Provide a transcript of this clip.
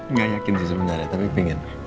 nggak yakin sih sebenarnya tapi pengen